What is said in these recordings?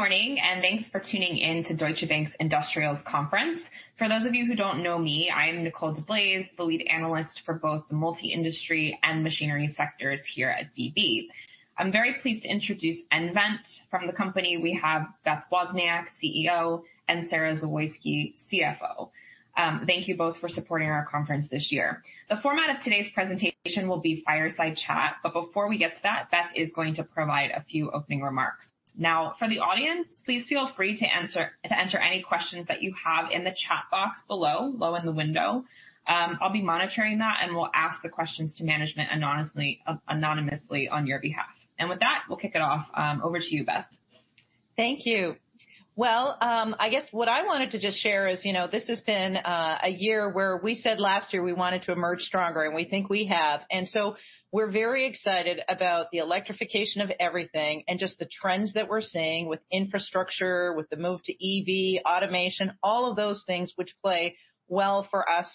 Morning, thanks for tuning in to Deutsche Bank's Industrials Conference. For those of you who don't know me, I am Nicole DeBlase, the lead analyst for both the multi-industry and machinery sectors here at DB. I'm very pleased to introduce nVent. From the company, we have Beth Wozniak, CEO, and Sara Zawoyski, CFO. Thank you both for supporting our conference this year. The format of today's presentation will be fireside chat, but before we get to that, Beth is going to provide a few opening remarks. Now, for the audience, please feel free to enter any questions that you have in the chat box below or low in the window. I'll be monitoring that, and we'll ask the questions to management anonymously on your behalf. With that, we'll kick it off. Over to you, Beth. Thank you. Well, I guess what I wanted to just share is, you know, this has been a year where we said last year we wanted to emerge stronger, and we think we have. We're very excited about the electrification of everything and just the trends that we're seeing with infrastructure, with the move to EV, automation, all of those things, which play well for us.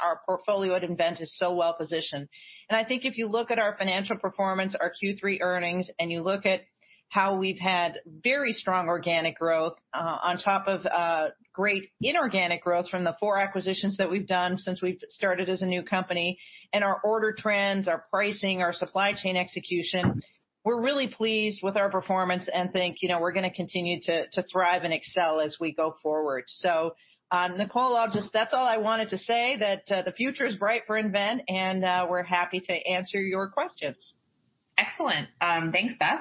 Our portfolio at nVent is so well positioned. I think if you look at our financial performance, our Q3 earnings, and you look at how we've had very strong organic growth on top of great inorganic growth from the four acquisitions that we've done since we've started as a new company and our order trends, our pricing, our supply chain execution, we're really pleased with our performance and think, you know, we're gonna continue to thrive and excel as we go forward. That's all I wanted to say, that the future is bright for nVent, and we're happy to answer your questions. Excellent. Thanks, Beth.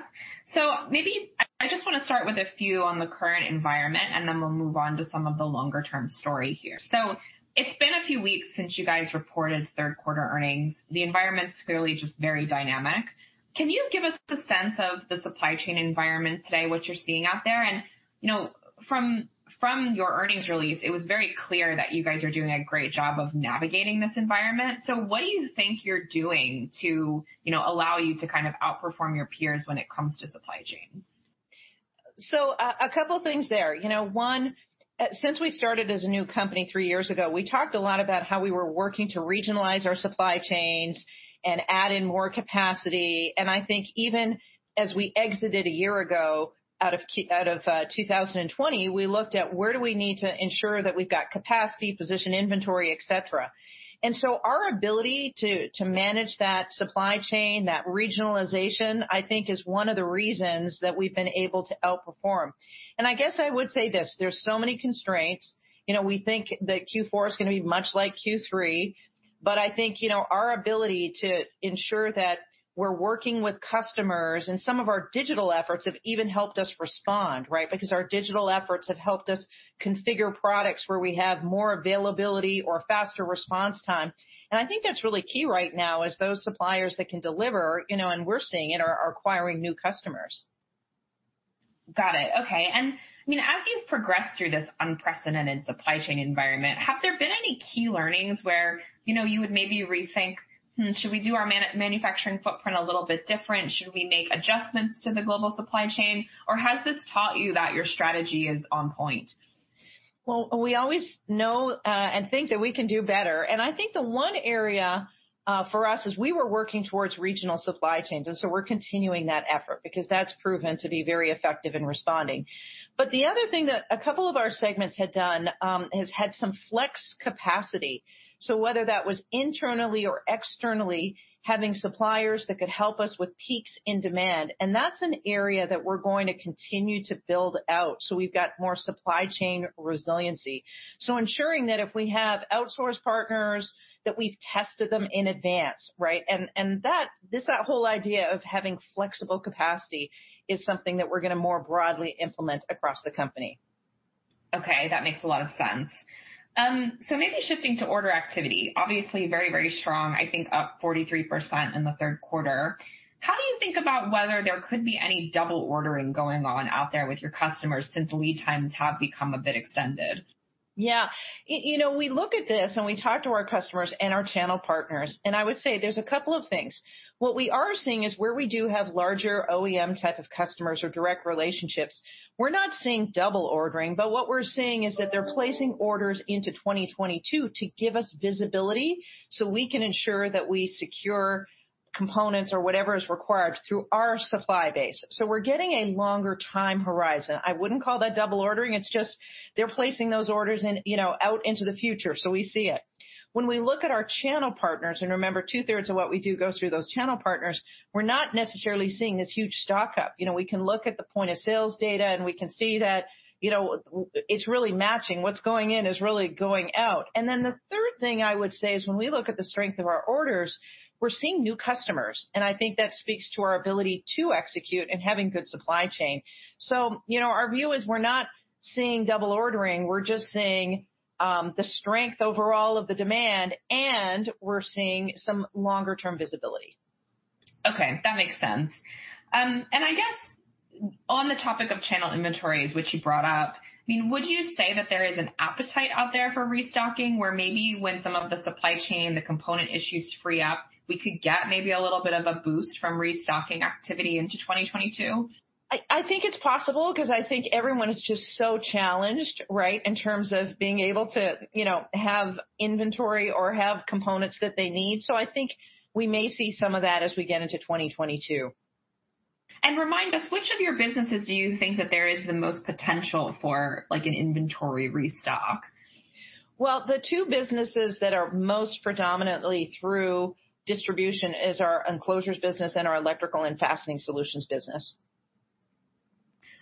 Maybe I just wanna start with a few on the current environment, and then we'll move on to some of the longer term story here. It's been a few weeks since you guys reported third quarter earnings. The environment's clearly just very dynamic. Can you give us a sense of the supply chain environment today, what you're seeing out there? You know, from your earnings release, it was very clear that you guys are doing a great job of navigating this environment. What do you think you're doing to, you know, allow you to kind of outperform your peers when it comes to supply chain? A couple things there. You know, one, since we started as a new company three years ago, we talked a lot about how we were working to regionalize our supply chains and add in more capacity. I think even as we exited a year ago, out of 2020, we looked at where do we need to ensure that we've got capacity, position inventory, et cetera. Our ability to manage that supply chain, that regionalization, I think, is one of the reasons that we've been able to outperform. I guess I would say this, there's so many constraints. You know, we think that Q4 is gonna be much like Q3, but I think, you know, our ability to ensure that we're working with customers and some of our digital efforts have even helped us respond, right? Because our digital efforts have helped us configure products where we have more availability or faster response time. I think that's really key right now, is those suppliers that can deliver, you know, and we're seeing it, are acquiring new customers. Got it. Okay. I mean, as you've progressed through this unprecedented supply chain environment, have there been any key learnings where, you know, you would maybe rethink, "Hmm, should we do our manufacturing footprint a little bit different? Should we make adjustments to the global supply chain?" Or has this taught you that your strategy is on point? Well, we always know and think that we can do better, and I think the one area for us is we were working towards regional supply chains, and so we're continuing that effort because that's proven to be very effective in responding. The other thing that a couple of our segments had done is had some flex capacity. Whether that was internally or externally, having suppliers that could help us with peaks in demand, and that's an area that we're going to continue to build out so we've got more supply chain resiliency. Ensuring that if we have outsourced partners, that we've tested them in advance, right? And that this whole idea of having flexible capacity is something that we're gonna more broadly implement across the company. Okay. That makes a lot of sense. Maybe shifting to order activity, obviously very, very strong, I think up 43% in the third quarter. How do you think about whether there could be any double ordering going on out there with your customers since lead times have become a bit extended? Yeah. You know, we look at this, and we talk to our customers and our channel partners, and I would say there's a couple of things. What we are seeing is where we do have larger OEM type of customers or direct relationships, we're not seeing double ordering, but what we're seeing is that they're placing orders into 2022 to give us visibility so we can ensure that we secure components or whatever is required through our supply base. So we're getting a longer time horizon. I wouldn't call that double ordering. It's just they're placing those orders in, you know, out into the future, so we see it. When we look at our channel partners, and remember, two-thirds of what we do goes through those channel partners, we're not necessarily seeing this huge stock-up. You know, we can look at the point of sales data, and we can see that, you know, it's really matching. What's going in is really going out. The third thing I would say is when we look at the strength of our orders, we're seeing new customers, and I think that speaks to our ability to execute and having good supply chain. You know, our view is we're not seeing double ordering. We're just seeing the strength overall of the demand, and we're seeing some longer term visibility. Okay. That makes sense. I guess on the topic of channel inventories, which you brought up, I mean, would you say that there is an appetite out there for restocking, where maybe when some of the supply chain, the component issues free up, we could get maybe a little bit of a boost from restocking activity into 2022? I think it's possible because I think everyone is just so challenged, right, in terms of being able to, you know, have inventory or have components that they need. I think we may see some of that as we get into 2022. Remind us which of your businesses do you think that there is the most potential for, like an inventory restock? Well, the two businesses that are most predominantly through distribution is our Enclosures business and our Electrical & Fastening Solutions business.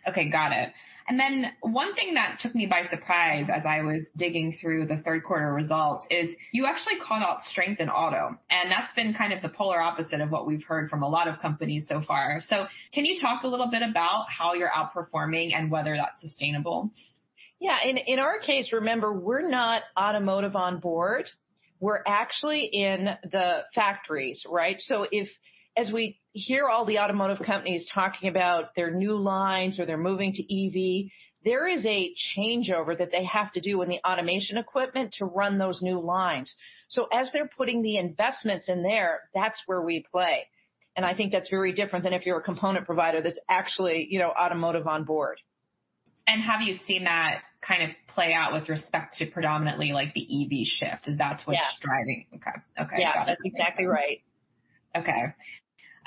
Okay. Got it. One thing that took me by surprise as I was digging through the third quarter results is you actually called out strength in auto, and that's been kind of the polar opposite of what we've heard from a lot of companies so far. Can you talk a little bit about how you're outperforming and whether that's sustainable? Yeah. In our case, remember, we're not automotive on board. We're actually in the factories, right? As we hear all the automotive companies talking about their new lines or they're moving to EV, there is a changeover that they have to do in the automation equipment to run those new lines. As they're putting the investments in there, that's where we play. I think that's very different than if you're a component provider that's actually, you know, automotive on board. Have you seen that kind of play out with respect to predominantly like the EV shift? If that's what's- Yeah. Okay. Yeah. Got it. That's exactly right. Okay.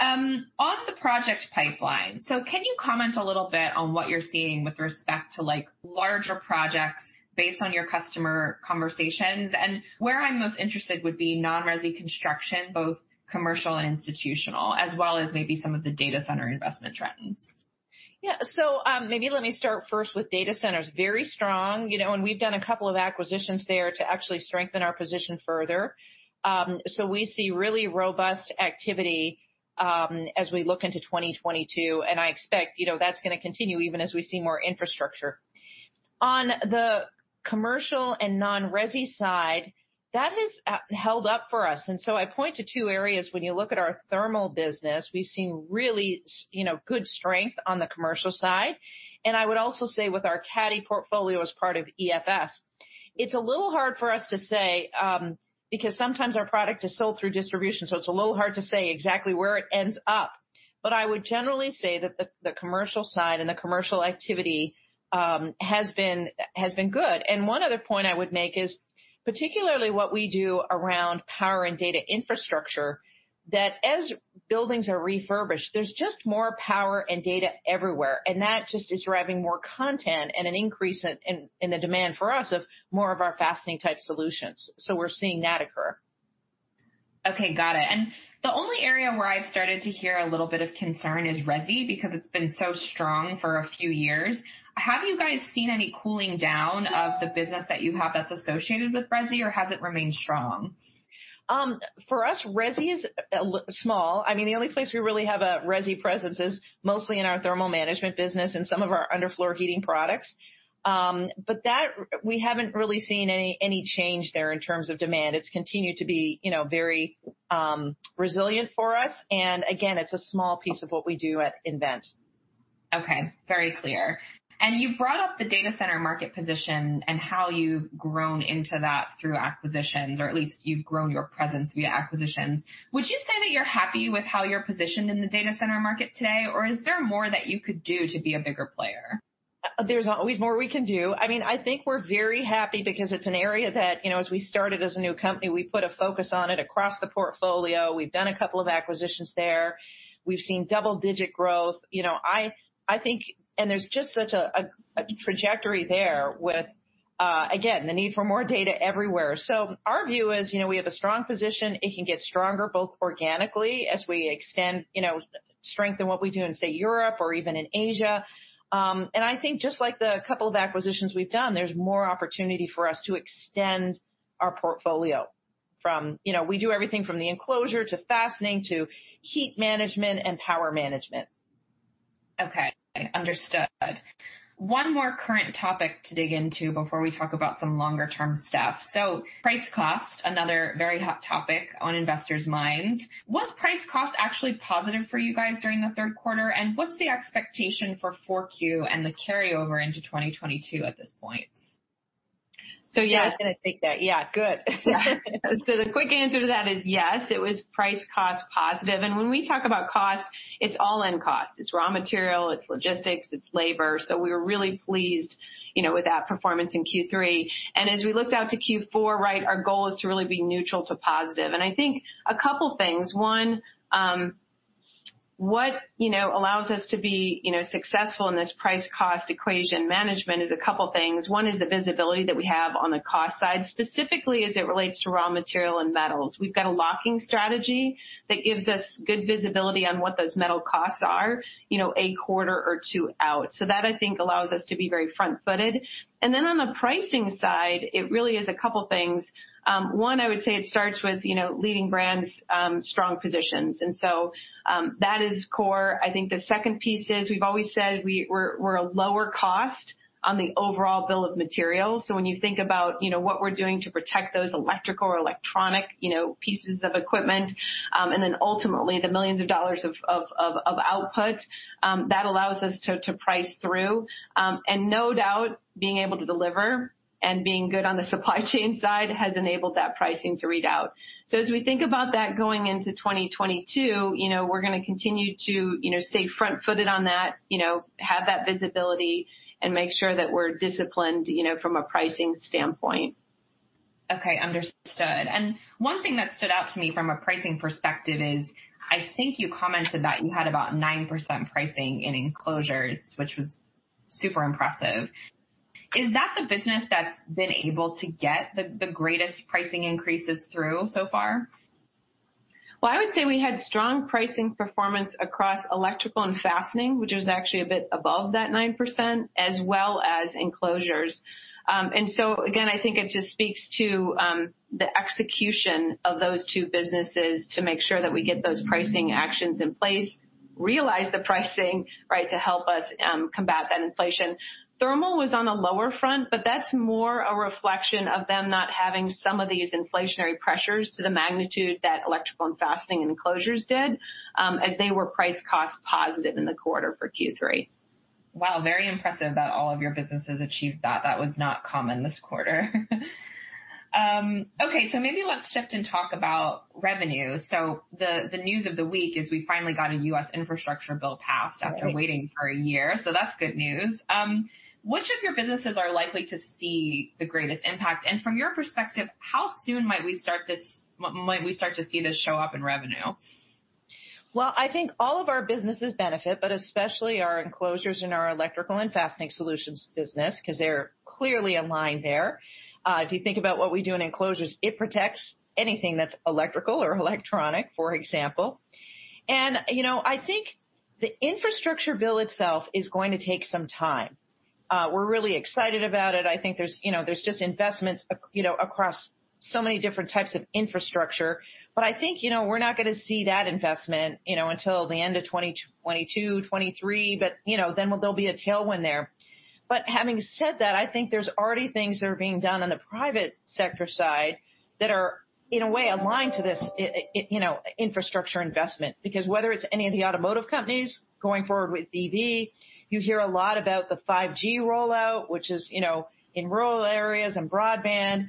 On the project pipeline, so can you comment a little bit on what you're seeing with respect to like larger projects based on your customer conversations? Where I'm most interested would be non-resi construction, both commercial and institutional, as well as maybe some of the data center investment trends. Yeah. Maybe let me start first with data centers. Very strong. You know, we've done a couple of acquisitions there to actually strengthen our position further. We see really robust activity as we look into 2022, and I expect, you know, that's gonna continue even as we see more infrastructure. On the commercial and non-resi side, that has held up for us. I point to two areas. When you look at our thermal business, we've seen really good strength, you know, on the commercial side, and I would also say with our CADDY portfolio as part of EFS. It's a little hard for us to say because sometimes our product is sold through distribution, so it's a little hard to say exactly where it ends up. I would generally say that the commercial side and the commercial activity has been good. One other point I would make is particularly what we do around power and data infrastructure, that as buildings are refurbished, there's just more power and data everywhere, and that just is driving more content and an increase in the demand for us of more of our fastening type solutions. We're seeing that occur. Okay. Got it. The only area where I've started to hear a little bit of concern is resi because it's been so strong for a few years. Have you guys seen any cooling down of the business that you have that's associated with resi, or has it remained strong? For us, resi is small. I mean, the only place we really have a resi presence is mostly in our Thermal Management business and some of our underfloor heating products. But there we haven't really seen any change there in terms of demand. It's continued to be, you know, very resilient for us, and again, it's a small piece of what we do at nVent. Okay. Very clear. You brought up the data center market position and how you've grown into that through acquisitions, or at least you've grown your presence via acquisitions. Would you say that you're happy with how you're positioned in the data center market today, or is there more that you could do to be a bigger player? There's always more we can do. I mean, I think we're very happy because it's an area that, you know, as we started as a new company, we put a focus on it across the portfolio. We've done a couple of acquisitions there. We've seen double-digit growth. You know, I think. There's just such a trajectory there with, again, the need for more data everywhere. So our view is, you know, we have a strong position. It can get stronger both organically as we extend, you know, strengthen what we do in, say, Europe or even in Asia. I think just like the couple of acquisitions we've done, there's more opportunity for us to extend our portfolio from. You know, we do everything from the enclosure to fastening to heat management and power management. Okay. Understood. One more current topic to dig into before we talk about some longer term stuff. Price cost, another very hot topic on investors' minds. Was price cost actually positive for you guys during the third quarter, and what's the expectation for Q4 and the carryover into 2022 at this point? Yeah. I was gonna take that. Yeah. Good. Yeah. The quick answer to that is yes, it was price-cost positive. When we talk about cost, it's all-in cost. It's raw material, it's logistics, it's labor, so we're really pleased, you know, with that performance in Q3. As we look out to Q4, right, our goal is to really be neutral to positive. I think a couple things. One, what you know allows us to be, you know, successful in this price-cost equation management is a couple things. One is the visibility that we have on the cost side, specifically as it relates to raw material and metals. We've got a hedging strategy that gives us good visibility on what those metal costs are, you know, a quarter or two out. That I think allows us to be very front-footed. Then on the pricing side, it really is a couple things. One, I would say it starts with, you know, leading brands, strong positions. That is core. I think the second piece is we've always said we're a lower cost on the overall bill of materials. So when you think about, you know, what we're doing to protect those electrical or electronic, you know, pieces of equipment, and then ultimately the millions of dollars of output, that allows us to price through. No doubt, being able to deliver and being good on the supply chain side has enabled that pricing to read out. As we think about that going into 2022, you know, we're gonna continue to, you know, stay front-footed on that, you know, have that visibility and make sure that we're disciplined, you know, from a pricing standpoint. Okay. Understood. One thing that stood out to me from a pricing perspective is, I think you commented that you had about 9% pricing in Enclosures, which was super impressive. Is that the business that's been able to get the greatest pricing increases through so far? Well, I would say we had strong pricing performance across Electrical and Fastening, which was actually a bit above that 9% as well as Enclosures. I think it just speaks to the execution of those two businesses to make sure that we get those pricing actions in place, realize the pricing, right, to help us combat that inflation. Thermal was on a lower front, but that's more a reflection of them not having some of these inflationary pressures to the magnitude that Electrical and Fastening Enclosures did, as they were price cost positive in the quarter for Q3. Wow. Very impressive that all of your businesses achieved that. That was not common this quarter. Okay, maybe let's shift and talk about revenue. The news of the week is we finally got a U.S. infrastructure bill passed. Right. After waiting for a year, that's good news. Which of your businesses are likely to see the greatest impact? From your perspective, how soon might we start to see this show up in revenue? Well, I think all of our businesses benefit, but especially our Enclosures in our Electrical & Fastening Solutions business, 'cause they're clearly aligned there. If you think about what we do in Enclosures, it protects anything that's electrical or electronic, for example. You know, I think the infrastructure bill itself is going to take some time. We're really excited about it. I think there's, you know, there's just investments you know, across so many different types of infrastructure. I think, you know, we're not gonna see that investment, you know, until the end of 2022, 2023, but, you know, then there'll be a tailwind there. Having said that, I think there's already things that are being done on the private sector side that are, in a way, aligned to this, you know, infrastructure investment, because whether it's any of the automotive companies going forward with EV, you hear a lot about the 5G rollout, which is, you know, in rural areas and broadband.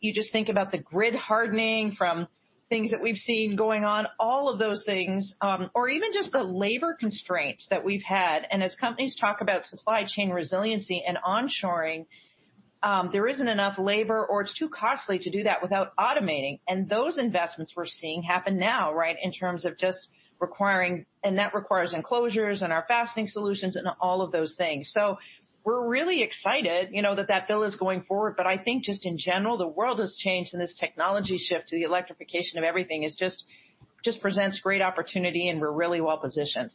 You just think about the grid hardening from things that we've seen going on, all of those things, or even just the labor constraints that we've had. As companies talk about supply chain resiliency and onshoring, there isn't enough labor or it's too costly to do that without automating. Those investments we're seeing happen now, right, in terms of just requiring enclosures and our fastening solutions and all of those things. We're really excited, you know, that bill is going forward. I think just in general, the world has changed and this technology shift to the electrification of everything just presents great opportunity, and we're really well positioned.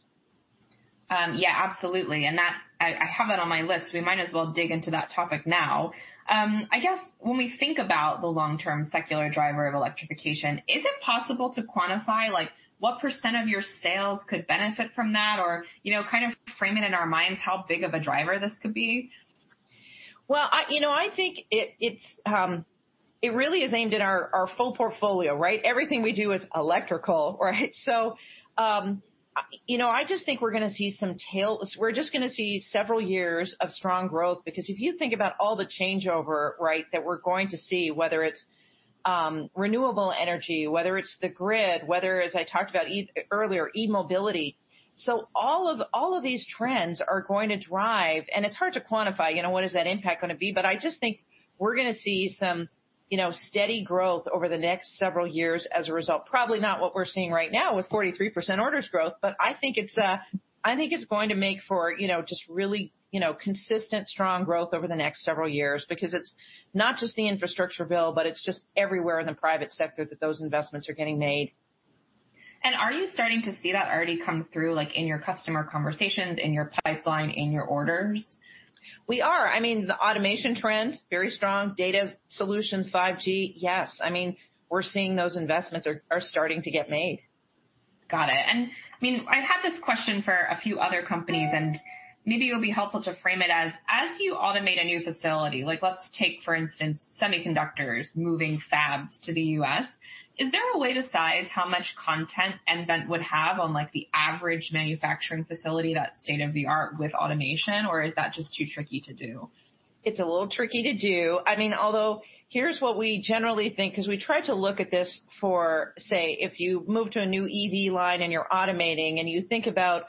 Yeah, absolutely. I have it on my list. We might as well dig into that topic now. I guess when we think about the long-term secular driver of electrification, is it possible to quantify, like, what % of your sales could benefit from that or, you know, kind of frame it in our minds how big of a driver this could be? You know, I think it's really aimed at our full portfolio, right? Everything we do is electrical, right? You know, I just think we're gonna see several years of strong growth because if you think about all the changeover, right, that we're going to see, whether it's renewable energy, whether it's the grid, whether, as I talked about earlier, e-mobility. All of these trends are going to drive, and it's hard to quantify, you know, what is that impact gonna be? I just think we're gonna see some steady growth over the next several years as a result. Probably not what we're seeing right now with 43% orders growth, but I think it's going to make for, you know, just really, you know, consistent, strong growth over the next several years because it's not just the infrastructure bill, but it's just everywhere in the private sector that those investments are getting made. Are you starting to see that already come through, like, in your customer conversations, in your pipeline, in your orders? We are. I mean, the automation trend, very strong. Data solutions, 5G, yes. I mean, we're seeing those investments are starting to get made. Got it. I mean, I've had this question for a few other companies, and maybe it'll be helpful to frame it as you automate a new facility, like let's take for instance, semiconductors moving fabs to the U.S., is there a way to size how much content nVent would have on, like, the average manufacturing facility that's state-of-the-art with automation, or is that just too tricky to do? It's a little tricky to do. I mean, although here's what we generally think, 'cause we try to look at this for, say, if you move to a new EV line and you're automating and you think about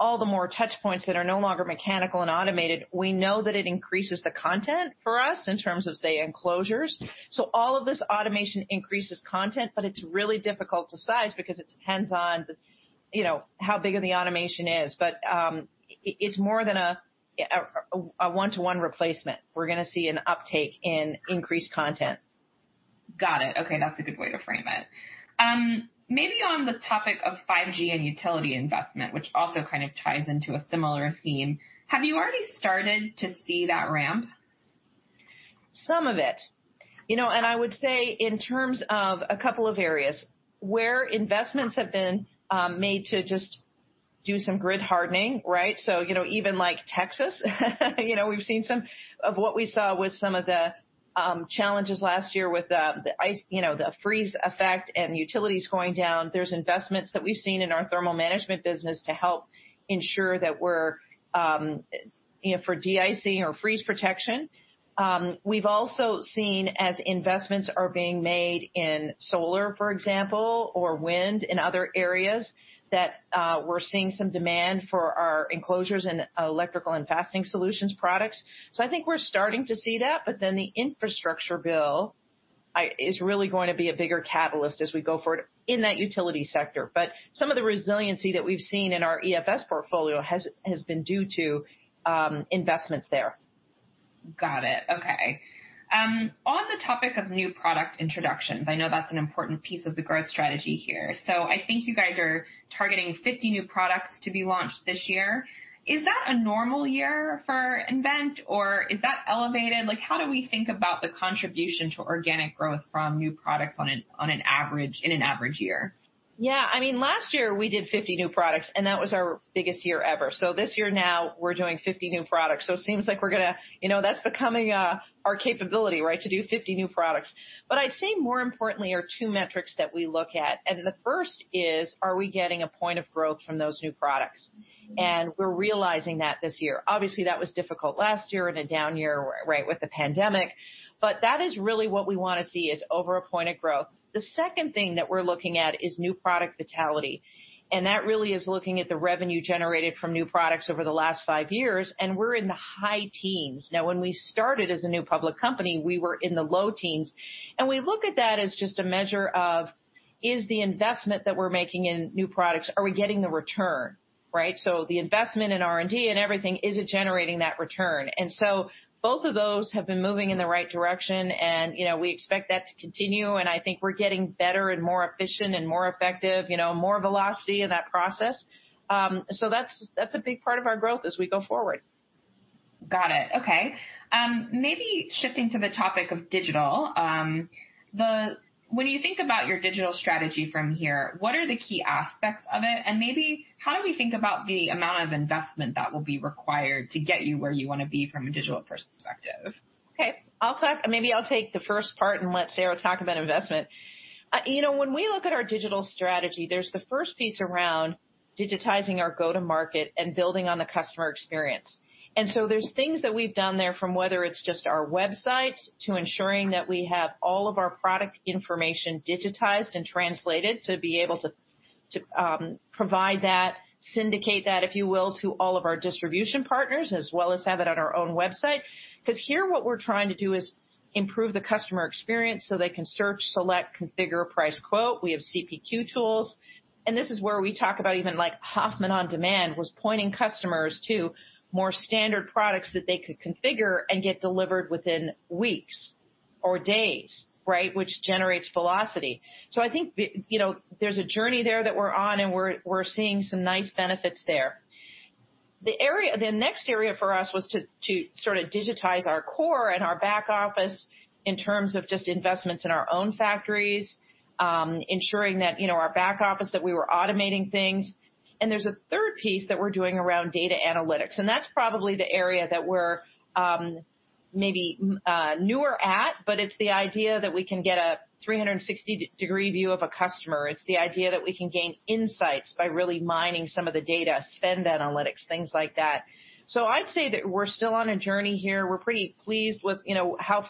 all the more touch points that are no longer mechanical and automated, we know that it increases the content for us in terms of, say, enclosures. So all of this automation increases content, but it's really difficult to size because it depends on the, you know, how big of the automation is. But it's more than a one-to-one replacement. We're gonna see an uptake in increased content. Got it. Okay. That's a good way to frame it. Maybe on the topic of 5G and utility investment, which also kind of ties into a similar theme, have you already started to see that ramp? Some of it. You know, I would say in terms of a couple of areas where investments have been made to just do some grid hardening, right? You know, even like Texas, we've seen some of what we saw with some of the challenges last year with the ice, the freeze effect and utilities going down. There's investments that we've seen in our Thermal Management business to help ensure that we're for de-icing or freeze protection. We've also seen as investments are being made in solar, for example, or wind in other areas that we're seeing some demand for our Enclosures and Electrical & Fastening Solutions products. I think we're starting to see that, but then the infrastructure bill is really going to be a bigger catalyst as we go forward in that utility sector. Some of the resiliency that we've seen in our EFS portfolio has been due to investments there. Got it. Okay. On the topic of new product introductions, I know that's an important piece of the growth strategy here. I think you guys are targeting 50 new products to be launched this year. Is that a normal year for nVent, or is that elevated? Like, how do we think about the contribution to organic growth from new products in an average year? Yeah. I mean, last year we did 50 new products, and that was our biggest year ever. This year now we're doing 50 new products, so it seems like we're gonna, you know, that's becoming our capability, right? To do 50 new products. I'd say more importantly are two metrics that we look at. The first is, are we getting 1 point of growth from those new products? We're realizing that this year. Obviously, that was difficult last year in a down year, right, with the pandemic, but that is really what we wanna see, is over 1 point of growth. The second thing that we're looking at is new product vitality, and that really is looking at the revenue generated from new products over the last 5 years, and we're in the high teens%. Now, when we started as a new public company, we were in the low teens. We look at that as just a measure of, is the investment that we're making in new products, are we getting the return, right? The investment in R&D and everything, is it generating that return? Both of those have been moving in the right direction, and, you know, we expect that to continue. I think we're getting better and more efficient and more effective, you know, more velocity in that process. That's a big part of our growth as we go forward. Got it. Okay. Maybe shifting to the topic of digital. When you think about your digital strategy from here, what are the key aspects of it? And maybe how do we think about the amount of investment that will be required to get you where you wanna be from a digital perspective? Okay. Maybe I'll take the first part, and let Sara talk about investment. You know, when we look at our digital strategy, there's the first piece around digitizing our go-to-market and building on the customer experience. There's things that we've done there from whether it's just our website to ensuring that we have all of our product information digitized and translated to be able to provide that, syndicate that, if you will, to all of our distribution partners as well as have it on our own website. 'Cause here what we're trying to do is improve the customer experience so they can search, select, configure, price, quote. We have CPQ tools. This is where we talk about even like HOFFMAN on Demand pointing customers to more standard products that they could configure and get delivered within weeks or days, right? Which generates velocity. I think, you know, there's a journey there that we're on, and we're seeing some nice benefits there. The next area for us was to sort of digitize our core and our back office in terms of just investments in our own factories, ensuring that, you know, our back office, that we were automating things. There's a third piece that we're doing around data analytics, and that's probably the area that we're, maybe, newer at, but it's the idea that we can get a 360-degree view of a customer. It's the idea that we can gain insights by really mining some of the data, spend analytics, things like that. I'd say that we're still on a journey here. We're pretty pleased with, you know, how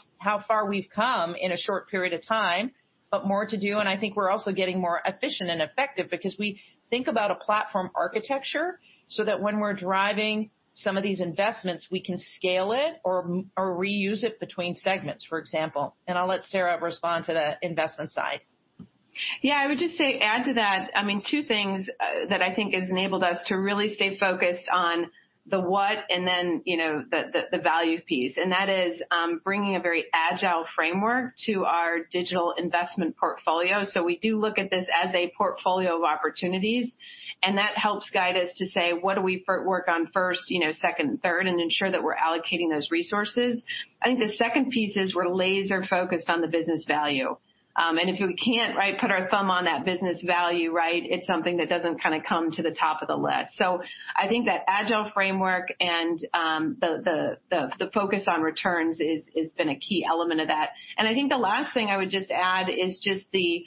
far we've come in a short period of time, but more to do, and I think we're also getting more efficient and effective because we think about a platform architecture so that when we're driving some of these investments, we can scale it or reuse it between segments, for example. I'll let Sara respond to the investment side. Yeah. I would just say add to that, I mean, two things that I think has enabled us to really stay focused on the what and then, you know, the value piece, and that is bringing a very agile framework to our digital investment portfolio. We do look at this as a portfolio of opportunities, and that helps guide us to say, what do we work on first, you know, second, third, and ensure that we're allocating those resources. I think the second piece is we're laser focused on the business value. And if we can't, right, put our thumb on that business value, right, it's something that doesn't kinda come to the top of the list. I think that agile framework and the focus on returns is been a key element of that. I think the last thing I would just add is just the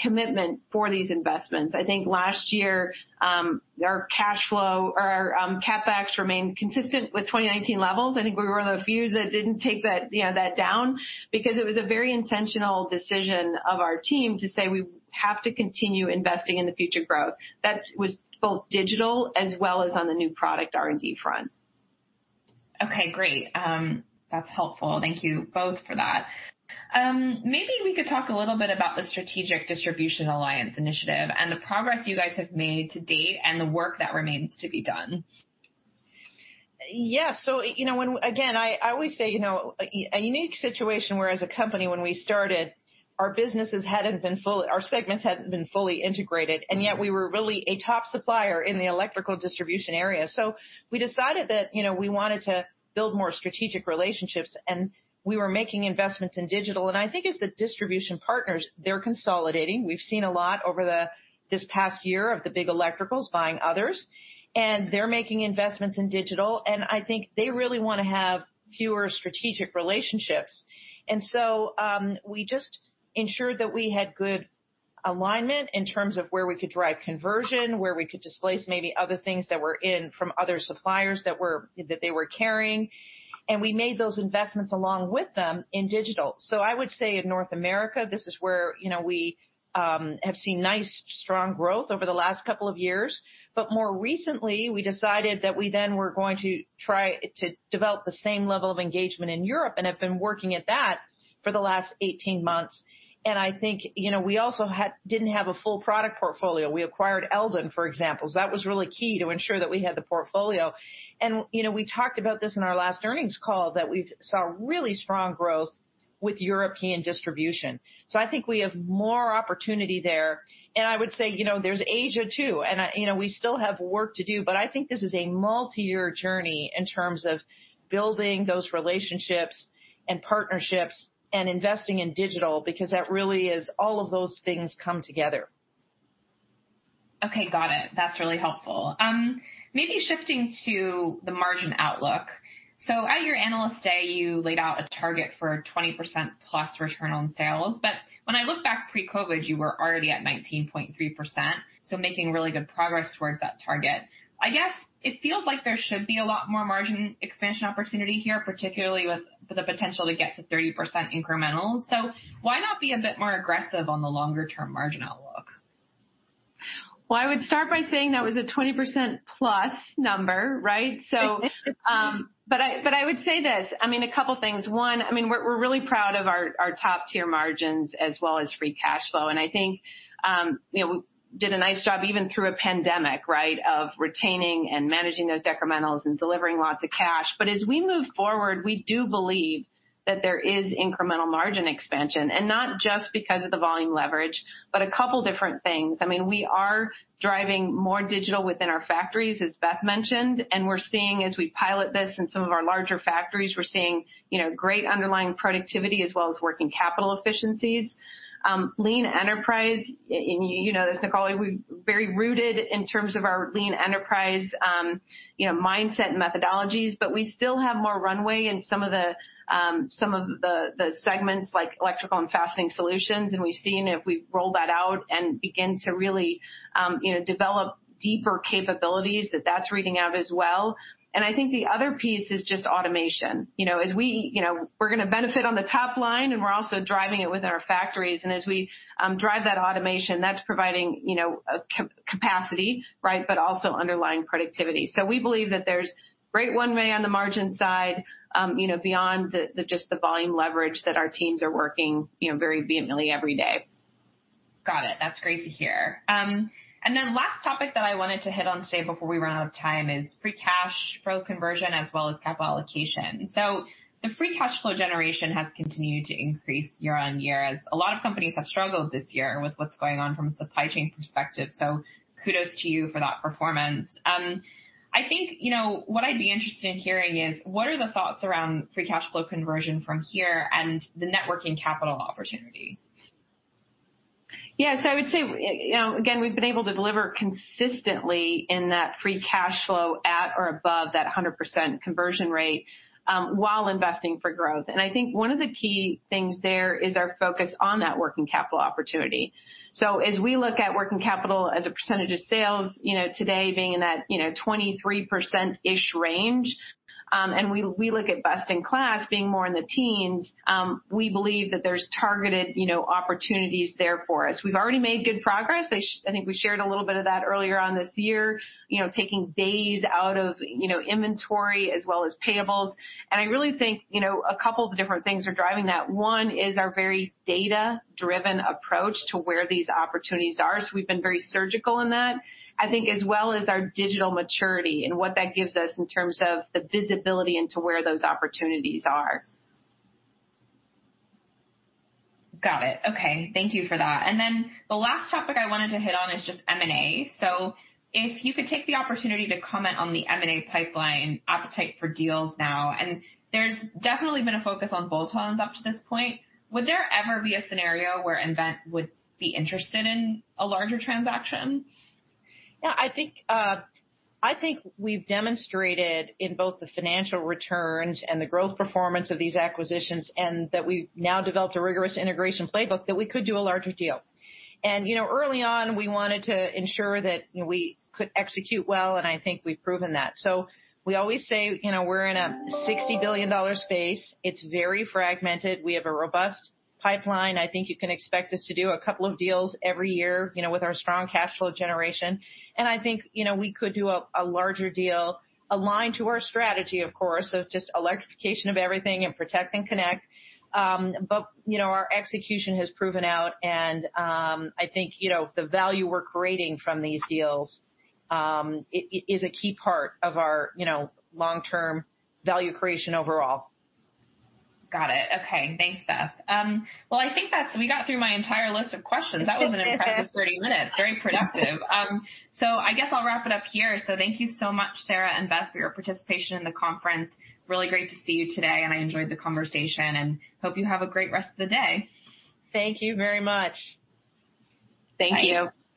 commitment for these investments. I think last year, our cash flow or CapEx remained consistent with 2019 levels. I think we were one of the few that didn't take that, you know, that down. Because it was a very intentional decision of our team to say we have to continue investing in the future growth. That was both digital as well as on the new product R&D front. Okay, great. That's helpful. Thank you both for that. Maybe we could talk a little bit about the Strategic Distribution Alliance initiative and the progress you guys have made to date and the work that remains to be done. Yeah. You know, Again, I always say, you know, a unique situation where as a company, when we started, our segments hadn't been fully integrated, and yet we were really a top supplier in the electrical distribution area. We decided that, you know, we wanted to build more strategic relationships, and we were making investments in digital. I think as the distribution partners, they're consolidating. We've seen a lot over this past year of the big electricals buying others. They're making investments in digital, and I think they really wanna have fewer strategic relationships. We just ensured that we had good alignment in terms of where we could drive conversion, where we could displace maybe other things that were in from other suppliers that they were carrying. We made those investments along with them in digital. I would say in North America, this is where, you know, we have seen nice, strong growth over the last couple of years. More recently, we decided that we then were going to try to develop the same level of engagement in Europe and have been working at that for the last 18 months. I think, you know, we also didn't have a full product portfolio. We acquired Eldo, for example. That was really key to ensure that we had the portfolio. You know, we talked about this in our last earnings call that we've saw really strong growth With European distribution. I think we have more opportunity there. I would say, you know, there's Asia too, and, you know, we still have work to do, but I think this is a multi-year journey in terms of building those relationships and partnerships and investing in digital because that really is all of those things come together. Okay, got it. That's really helpful. Maybe shifting to the margin outlook. At your Analyst Day, you laid out a target for a 20%+ return on sales. When I look back pre-COVID, you were already at 19.3%, so making really good progress towards that target. I guess it feels like there should be a lot more margin expansion opportunity here, particularly with the potential to get to 30% incremental. Why not be a bit more aggressive on the longer term margin outlook? Well, I would start by saying that was a 20%+ number, right? I would say this. I mean, a couple things. One, I mean, we're really proud of our top-tier margins as well as free cash flow. I think, you know, we did a nice job, even through a pandemic, right, of retaining and managing those decrementals and delivering lots of cash. As we move forward, we do believe that there is incremental margin expansion, and not just because of the volume leverage, but a couple different things. I mean, we are driving more digital within our factories, as Beth mentioned, and we're seeing as we pilot this in some of our larger factories, we're seeing, you know, great underlying productivity as well as working capital efficiencies. Lean enterprise, and you know this, Nicole, we're very rooted in terms of our lean enterprise, you know, mindset and methodologies, but we still have more runway in some of the segments like Electrical & Fastening Solutions. We've seen if we roll that out and begin to really, you know, develop deeper capabilities that that's paying out as well. I think the other piece is just automation. You know, as we, you know, we're gonna benefit on the top line, and we're also driving it within our factories. As we drive that automation, that's providing, you know, a capacity, right, but also underlying productivity. We believe that there's great runway on the margin side, you know, beyond just the volume leverage that our teams are working, you know, very vehemently every day. Got it. That's great to hear. Last topic that I wanted to hit on today before we run out of time is free cash flow conversion as well as capital allocation. The free cash flow generation has continued to increase year-over-year, as a lot of companies have struggled this year with what's going on from a supply chain perspective. Kudos to you for that performance. I think, you know, what I'd be interested in hearing is, what are the thoughts around free cash flow conversion from here and the net working capital opportunity? Yes. I would say, you know, again, we've been able to deliver consistently in that free cash flow at or above that 100% conversion rate, while investing for growth. I think one of the key things there is our focus on that working capital opportunity. As we look at working capital as a percentage of sales, you know, today being in that, you know, 23%-ish range, and we look at best in class being more in the teens, we believe that there's targeted, you know, opportunities there for us. We've already made good progress. I think we shared a little bit of that earlier on this year, you know, taking days out of, you know, inventory as well as payables. I really think, you know, a couple of different things are driving that. One is our very data-driven approach to where these opportunities are, so we've been very surgical in that. I think as well as our digital maturity and what that gives us in terms of the visibility into where those opportunities are. Got it. Okay. Thank you for that. The last topic I wanted to hit on is just M&A. If you could take the opportunity to comment on the M&A pipeline appetite for deals now. There's definitely been a focus on bolt-ons up to this point. Would there ever be a scenario where nVent would be interested in a larger transaction? Yeah, I think we've demonstrated in both the financial returns and the growth performance of these acquisitions and that we've now developed a rigorous integration playbook that we could do a larger deal. You know, early on, we wanted to ensure that, you know, we could execute well, and I think we've proven that. We always say, you know, we're in a $60 billion space. It's very fragmented. We have a robust pipeline. I think you can expect us to do a couple of deals every year, you know, with our strong cash flow generation. I think, you know, we could do a larger deal aligned to our strategy, of course, of just electrification of everything and protect and connect. You know, our execution has proven out and I think, you know, the value we're creating from these deals is a key part of our, you know, long-term value creation overall. Got it. Okay. Thanks, Beth. I think that's it. We got through my entire list of questions. That was an impressive 30 minutes. Very productive. I guess I'll wrap it up here. Thank you so much, Sara and Beth, for your participation in the conference. Really great to see you today, and I enjoyed the conversation and hope you have a great rest of the day. Thank you very much. Thank you. Bye-bye.